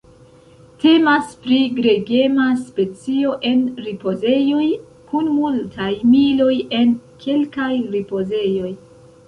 Temas pri gregema specio en ripozejoj kun multaj miloj en kelkaj ripozejoj.